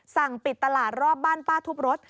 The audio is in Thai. สั่งปิดตลาดรอบบ้านป้าทุบรถ